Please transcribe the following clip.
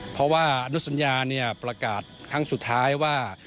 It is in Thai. เพราะว่านุสัญญาเนี่ยประกาศครั้งสุดท้ายว่า